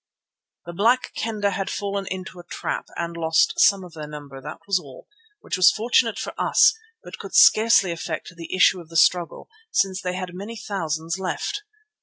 The Black Kendah had fallen into a trap and lost some of their number, that was all, which was fortunate for us but could scarcely affect the issue of the struggle, since they had many thousands left.